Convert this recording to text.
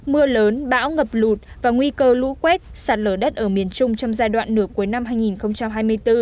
mưa lớn bão ngập lụt và nguy cơ lũ quét sạt lở đất ở miền trung trong giai đoạn nửa cuối năm hai nghìn hai mươi bốn